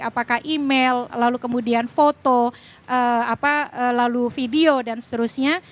apakah email lalu kemudian foto lalu video dan seterusnya